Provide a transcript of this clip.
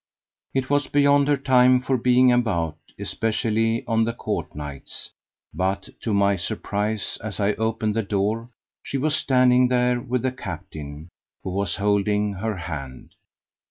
It was beyond her time for being about, especially on the court nights, but to my surprise, as I opened the door she was standing there with the captain, who was holding her hand.